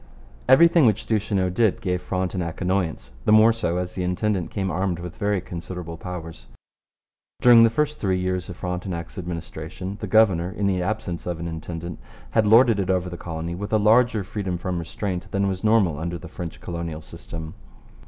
Everything which Duchesneau did gave Frontenac annoyance the more so as the intendant came armed with very considerable powers. During the first three years of Frontenac's administration the governor, in the absence of an intendant, had lorded it over the colony with a larger freedom from restraint than was normal under the French colonial system.